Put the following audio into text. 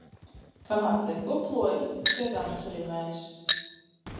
Kamēr tie kuploja, cietāmies arī mēs!